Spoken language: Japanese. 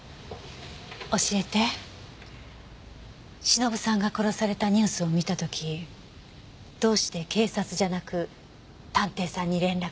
忍さんが殺されたニュースを見た時どうして警察じゃなく探偵さんに連絡したのか。